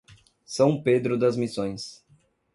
São Pedro das Missões